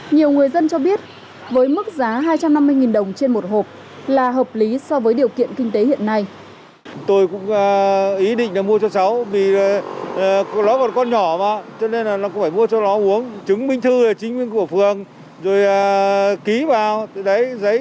nhiều người dân cho biết với mức giá hai trăm năm mươi đồng trên một hộp là hợp lý so với điều kiện kinh tế hiện nay